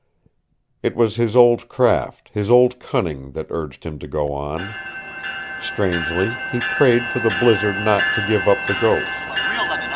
It was his old craft, his old cunning, that urged him to go on. Strangely, he prayed for the blizzard not to give up the ghost.